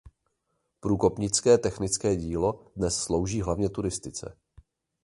Průkopnické technické dílo dnes slouží hlavně turistice.